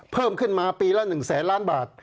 เพิ่มขึ้นมาปีละ๑แสนล้านบาท